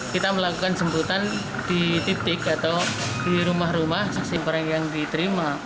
kita melakukan jemputan di titik atau di rumah rumah saksi barang yang diterima